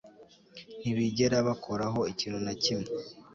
Ntibigera bakoraho ikintu na kimwe